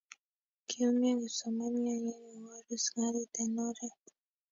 Kiumian kipsomanian ye kingorus karit eng oree.